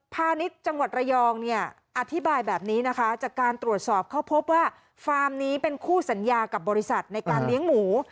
ณิชย์จังหวัดระยองเนี่ยอธิบายแบบนี้นะคะจากการตรวจสอบเขาพบว่าฟาร์มนี้เป็นคู่สัญญากับบริษัทในการเลี้ยงหมู